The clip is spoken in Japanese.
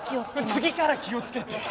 次から気をつけて。